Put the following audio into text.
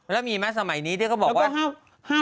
แล้วมีไหมสมัยนี้ที่เขาบอกว่า